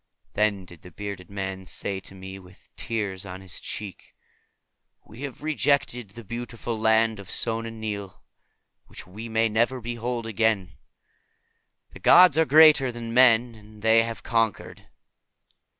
Then did the bearded man say to me, with tears on his cheek, "We have rejected the beautiful Land of Sona Nyl, which we may never behold again. The gods are greater than men, and they have conquered."